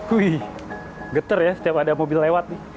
wih geter ya setiap ada mobil lewat